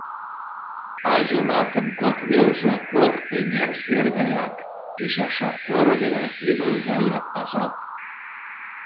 А йомакын кок велже кок эҥер сер гаяк: ӱчаша поро дене ӱмыл гае азап.